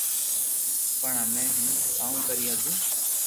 پڻ ھمي ھون ڪاوُ ڪري ھگو